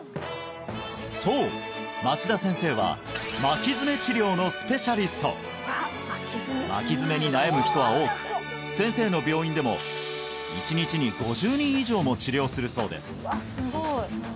そう町田先生は巻き爪に悩む人は多く先生の病院でも１日に５０人以上も治療するそうです